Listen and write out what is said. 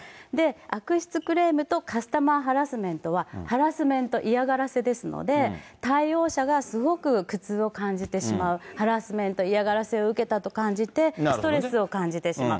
悪質クレームとカスタマーハラスメントは、ハラスメント・嫌がらせですので、対応者がすごく苦痛を感じてしまう、ハラスメント・嫌がらせを受けたと感じて、ストレスを感じてしまう。